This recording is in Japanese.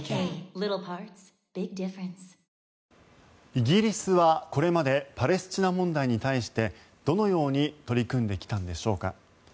イギリスはこれまでパレスチナ問題に対してどのように取り組んできたのでしょうか。